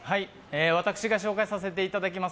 私が紹介させていただきます